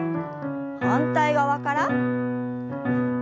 反対側から。